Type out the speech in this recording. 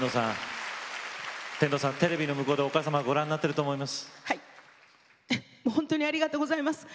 天童さん、テレビの向こうでお母様ご覧になってると思います。